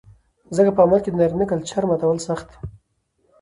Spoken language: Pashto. ځکه په عمل کې د نارينه کلچر ماتول سخت و